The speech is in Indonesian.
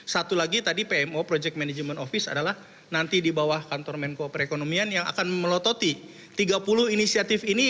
satu lagi tadi pmo project management office adalah nanti di bawah kantor menko perekonomian yang akan melototi tiga puluh inisiatif ini